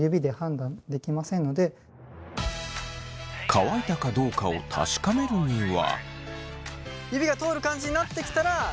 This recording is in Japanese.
乾いたかどうかを確かめるには？